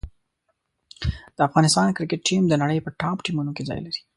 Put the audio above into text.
د افغانستان کرکټ ټیم د نړۍ په ټاپ ټیمونو کې ځای لري.